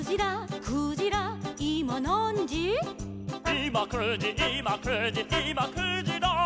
「いま９じいま９じいま９じら」